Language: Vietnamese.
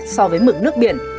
so với mực nước biển